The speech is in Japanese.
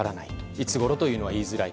いつごろというのは言いづらい。